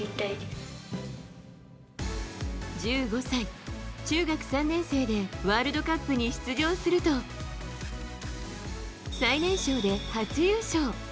１５歳、中学３年生でワールドカップに出場すると最年少で初優勝！